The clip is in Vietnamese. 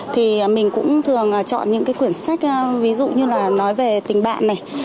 thì mình cũng thường chọn những cái quyển sách ví dụ như là nói về tình bạn này